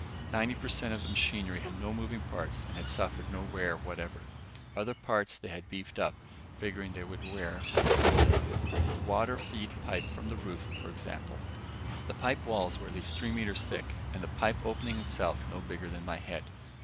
Ninety per cent of the machinery had no moving parts and had suffered no wear whatever. Other parts they had beefed up, figuring they would wear, but slowly. The water feed pipe from the roof, for example. The pipe walls were at least three meters thick and the pipe opening itself no bigger than my head.